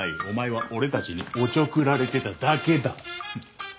お前は俺たちにおちょくられてただけだ。